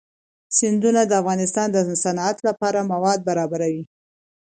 سیندونه د افغانستان د صنعت لپاره مواد برابروي.